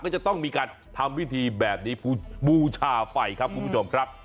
ก็จะต้องมีการทำวิธีแบบนี้บูชาไปครับคุณผู้ชมครับ